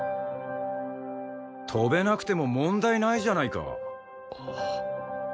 跳べなくても問題ないじゃないか。